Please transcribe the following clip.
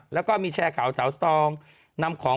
แล้วก็มีแชร์ข่าวเสาสตรอง